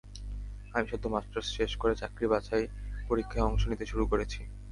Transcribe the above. আমি সদ্য মাস্টার্স শেষ করে চাকরির বাচাই পরীক্ষায় অংশ নিতে শুরু করেছি।